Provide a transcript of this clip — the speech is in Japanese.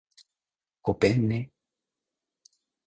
ごぺんね